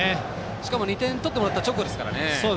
しかも２点取ってもらった直後ですからね。